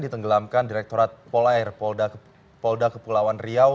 ditenggelamkan direkturat polair polda kepulauan riau